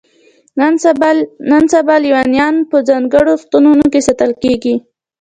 نن سبا لیونیان په ځانګړو روغتونونو کې ساتل کیږي.